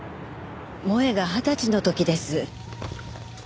萌絵が二十歳の時です。